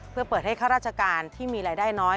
เพื่อเปิดให้ข้าราชการที่มีรายได้น้อย